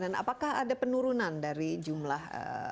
apakah ada penurunan dari jumlah